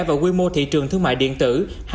vào quy mô thị trường thương mại điện tử